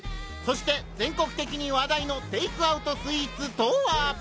そして全国的に話題の「テイクアウトスイーツ」とは！？